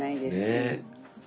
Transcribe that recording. ねえ。